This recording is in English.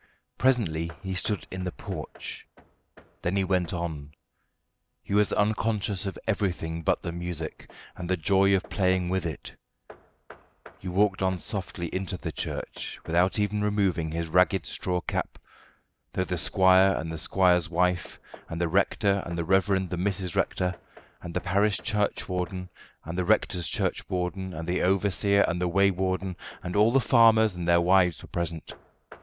Presently he stood in the porch, then he went on; he was unconscious of everything but the music and the joy of playing with it; he walked on softly into the church without even removing his ragged straw cap, though the squire and the squire's wife, and the rector and the reverend the Mrs. Rector, and the parish churchwarden and the rector's churchwarden, and the overseer and the waywarden, and all the farmers and their wives were present.